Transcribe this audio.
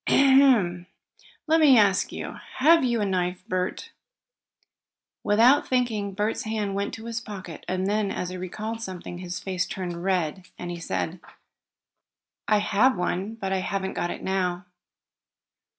"Ahem! Let me ask you, have you a knife, Bert?" Without thinking Bert's hand went to his pocket, and then, as he recalled something, his face turned red, and he said: "I have one, but I haven't got it now."